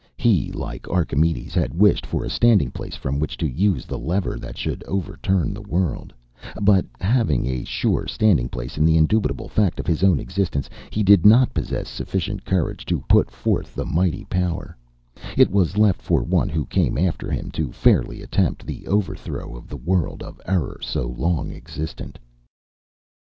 He, like Archimedes, had wished for a standing place from which to use the lever, that should overturn the world; but, having a sure standing place in the indubitable fact of his own existence, he did not possess sufficient courage to put forth the mighty power it was left for one who came after him to fairly attempt the over throw of the world of error so long existent.